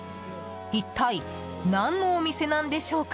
一体、何のお店なんでしょうか。